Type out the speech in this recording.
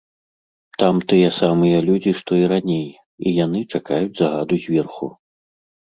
Там тыя самыя людзі, што і раней, і яны чакаюць загаду зверху.